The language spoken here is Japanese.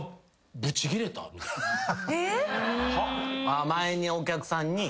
ああお客さんに。